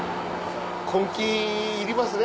根気いりますね。